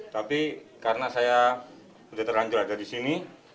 tapi karena saya udah terlanjur ada disini